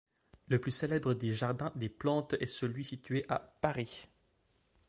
Le plus célèbre des jardins des plantes est celui situé à Paris.